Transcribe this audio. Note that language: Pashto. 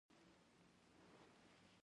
زه د جملو په لیکلو او سمولو نه ستړې کېدم.